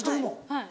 はい。